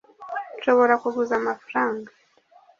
nshobora kuguza amafaranga